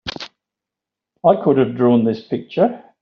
I could have drawn this picture!